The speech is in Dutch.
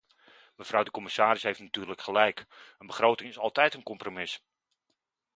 Mevrouw de commissaris heeft natuurlijk gelijk: een begroting is altijd een compromis.